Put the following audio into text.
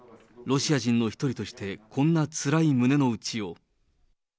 ロシア人の一人として、こんなつらい胸の内を。